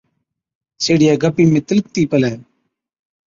سيهڙِيئَي گپِي ۾ تِلڪتِي پلَي،